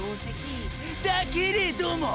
だけれどもォ！！